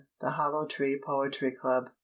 THE HOLLOW TREE POETRY CLUB MR.